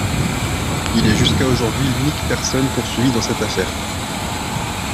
Il est jusqu'à aujourd'hui l'unique personne poursuivi dans cette affaire.